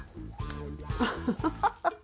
ハハハハハ。